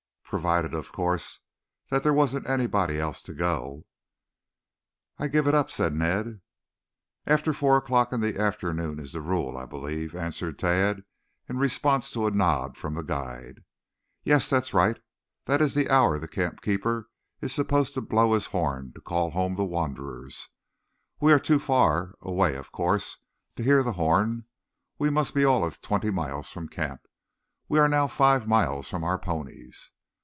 "Provided, of course, that there wasn't anybody else to go." "I give it up," said Ned. "After four o'clock in the afternoon is the rule, I believe," answered Tad in response to a nod from the guide. "Yes, that's right. That is the hour the camp keeper is supposed to blow his horn to call home the wanderers. We are too far away, of course, to hear the horn. We must be all of twenty miles from camp. We are now five miles from our ponies."